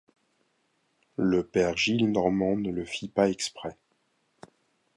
Le père Gillenormand ne le fit pas exprès.